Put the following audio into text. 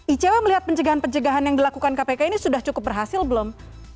icw melihat pencegahan pencegahan yang dilakukan kpk ini sudah cukup berhasil belum